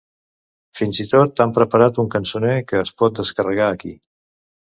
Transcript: Fins i tot han preparat un cançoner que es pot descarregar aquí.